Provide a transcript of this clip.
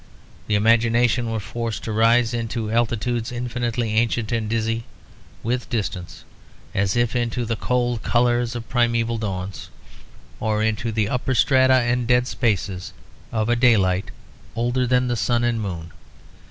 The imagination was forced to rise into altitudes infinitely ancient and dizzy with distance, as if into the cold colours of primeval dawns, or into the upper strata and dead spaces of a daylight older than the sun and moon.